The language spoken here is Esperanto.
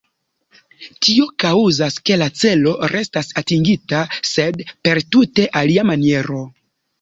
Tio kaŭzas, ke la celo restas atingita, sed per tute alia maniero.